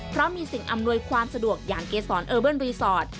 เพราะมีสิ่งอำนวยความสะดวกอย่างเกษรเออเบิ้ลรีสอร์ท